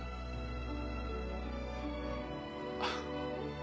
あっ。